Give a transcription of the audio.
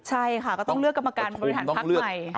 ใช่ค่ะก็ต้องเลือกกรรมการบริหารพักใหม่